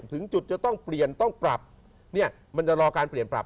ถึงจุดจะต้องเปลี่ยนต้องปรับเนี่ยมันจะรอการเปลี่ยนปรับ